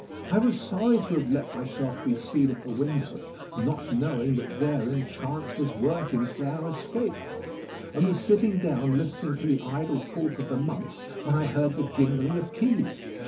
I was sorry to have let myself be seen at the window, not knowing that therein chance was working for our escape, and was sitting down listening to the idle talk of the monk, when I heard the jingling of keys.